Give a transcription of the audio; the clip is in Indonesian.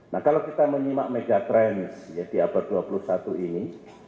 nah kalau kita menyimak mega trend di abad dua puluh satu ini